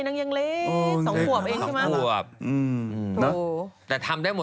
นางยังเล็กสองขวบเองใช่ไหม